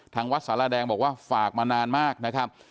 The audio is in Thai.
ทางวัดสารแดงบอกว่าฝากมานานมากนะครับ